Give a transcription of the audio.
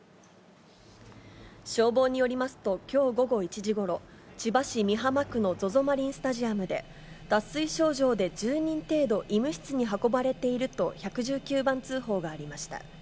消防によりますと、きょう午後１時ごろ、千葉市美浜区のＺＯＺＯマリンスタジアムで、脱水症状で１０人程度、医務室に運ばれていると、１１９番通報がありました。